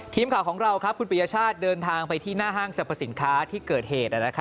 ทีมข่าวของเราคุณปียชาติเดินทางไปที่หน้าห้างสรรพสินค้าที่เกิดเหตุ